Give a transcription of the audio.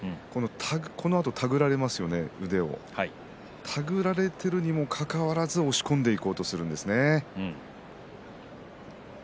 このあと手繰られますね手繰られているにもかかわらず押し込んでいこうとするんですね。